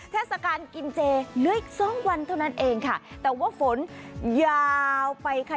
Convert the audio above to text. เทศกาลกินเจเหลืออีกสองวันเท่านั้นเองค่ะแต่ว่าฝนยาวไปค่ะ